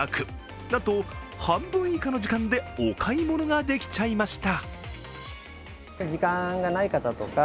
なんと、半分以下の時間でお買い物ができちゃいました。